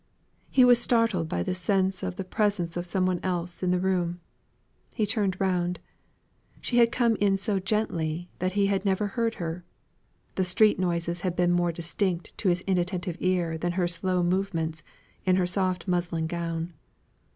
He was startled by the sense of the presence of some one else in the room. He turned round. She had come in so gently, that he had never heard her; the street noises had been more distinct to his inattentive ear than her slow movements, in her soft muslin gown.